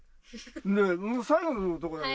最後のとこだけ。